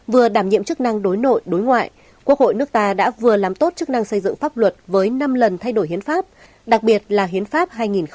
vừa đảm nhiệm chức năng đối nội đối ngoại quốc hội nước ta đã vừa làm tốt chức năng xây dựng pháp luật với năm lần thay đổi hiến pháp đặc biệt là hiến pháp hai nghìn một mươi ba